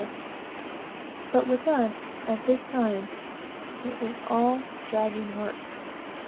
But with us, at this time, it was all dragging work.